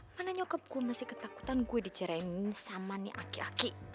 mana nyokap gue masih ketakutan gue dicerainin sama nih aki aki